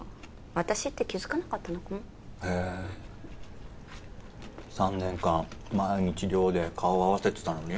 私って気付かなかったのかもへ３年間毎日寮で顔合わせてたのに？